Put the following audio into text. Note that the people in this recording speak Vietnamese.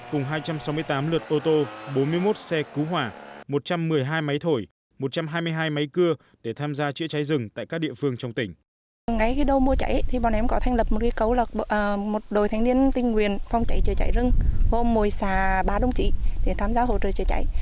cùng hai trăm sáu mươi tám lượt ô tô bốn mươi một xe cứu hỏa một trăm một mươi hai máy thổi một trăm hai mươi hai máy cưa để tham gia chữa cháy rừng tại các địa phương trong tỉnh